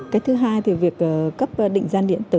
cái thứ hai thì việc cấp định danh điện tử